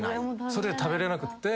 それが食べれなくって。